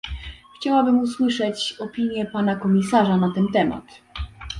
Chciałabym usłyszeć opinię pana komisarza na ten temat